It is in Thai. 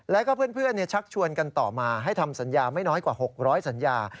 แล้วก็เพื่อนชักชวนกันต่อมาให้ทำสัญญาไม่น้อยกว่า๖๐๐สัญญา